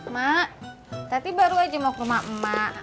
mak tadi baru aja mau ke rumah emak